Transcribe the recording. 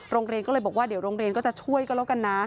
โรงเรียนก็เลยบอกว่าเดี๋ยวโรงเรียนก็จะช่วยก็แล้วกันนะ